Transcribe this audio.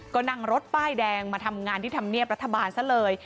ก็นั่งรถป้ายแดงมาทำงานที่ธรรมเนียบรัฐบาลซะเลย